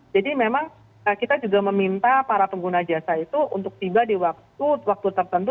jadi memang kita juga meminta para pengguna jasa itu untuk tiba di waktu tertentu